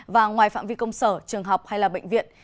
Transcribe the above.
và ngoài phạm vi công sở trường học hay là bệnh viện